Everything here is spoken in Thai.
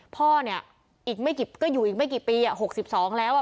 พ่อเนี้ยอีกไม่กี่ก็อยู่อีกไม่กี่ปีอ่ะหกสิบสองแล้วอ่ะ